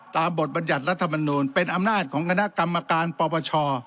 บทบรรยัติรัฐมนูลเป็นอำนาจของคณะกรรมการปปช